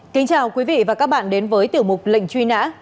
kính chào quý vị và các bạn đến với tiểu mục lệnh truy nã